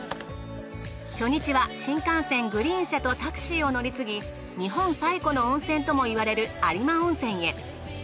初日は新幹線グリーン車とタクシーを乗り継ぎ日本最古の温泉ともいわれる有馬温泉へ。